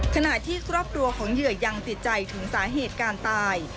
ขณะที่ครอบครัวของเหยื่อยังติดใจถึงสาเหตุการตาย